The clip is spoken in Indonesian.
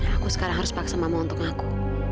aku sekarang harus paksa samamu untuk aku